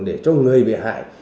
để cho người bị hại